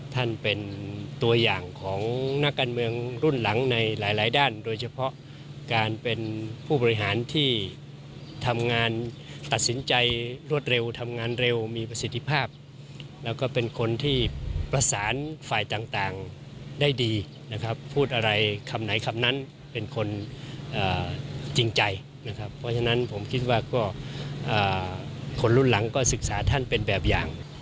ท่านเป็นตัวอย่างของนักการเมืองรุ่นหลังในหลายด้านโดยเฉพาะการเป็นผู้บริหารที่ทำงานตัดสินใจรวดเร็วทำงานเร็วมีประสิทธิภาพแล้วก็เป็นคนที่ประสานฝ่ายต่างได้ดีนะครับพูดอะไรคำไหนคำนั้นเป็นคนจริงใจนะครับเพราะฉะนั้นผมคิดว่าก็คนรุ่นหลังก็ศึกษาท่านเป็นแบบอย่าง